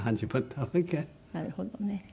なるほどね。